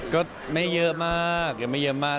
ก็ไม่เยอะมากยังไม่เยอะมาก